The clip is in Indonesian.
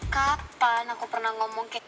kapan aku pernah ngomong